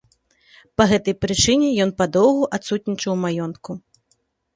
Па гэтай прычыне ён падоўгу адсутнічаў у маёнтку.